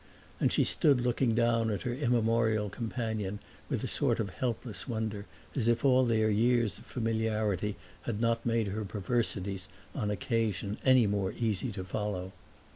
And she stood looking down at her immemorial companion with a sort of helpless wonder, as if all their years of familiarity had not made her perversities, on occasion, any more easy to follow.